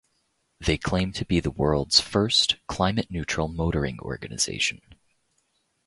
They claim to be the world's first climate-neutral motoring organisation.